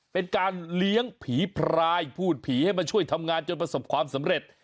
เป็นการเลี้ยงผีพรายพูดผีให้มาช่วยทำงานจนประสบความสำเร็จ